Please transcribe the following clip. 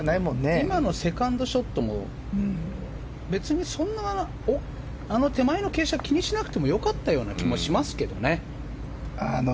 今のセカンドショットも別にそんなに手前の傾斜を気にしなくても良かったような気もしますけど。